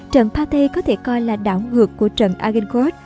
trận pathé có thể coi là đảo ngược của trận agincourt